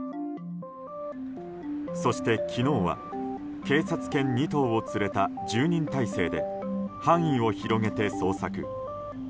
そして昨日は警察犬２頭を連れた１０人態勢で範囲を広げて捜索。